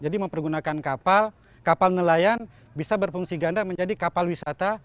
jadi mempergunakan kapal kapal nelayan bisa berfungsi ganda menjadi kapal wisata